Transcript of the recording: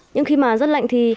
nhưng khi mà rất lạnh thì